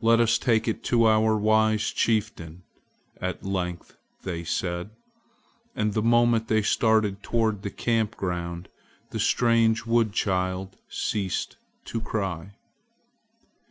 "Let us take it to our wise chieftain," at length they said; and the moment they started toward the camp ground the strange wood child ceased to cry.